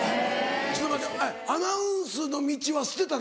ちょっと待てアナウンスの道は捨てたのか？